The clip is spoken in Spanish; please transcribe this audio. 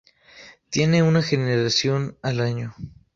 Tiene una generación al año.